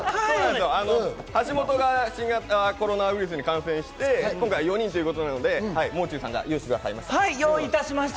橋本が新型コロナウイルスに感染して今回４人ということで、もう中さんが用意してくださいました。